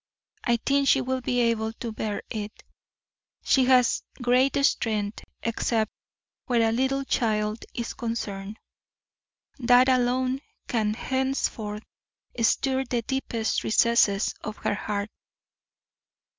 I think she will be able to bear it. She has great strength except where a little child is concerned. That alone can henceforth stir the deepest recesses of her heart.